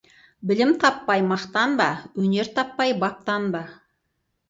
Білім таппай мақтанба, өнер таппай баптанба.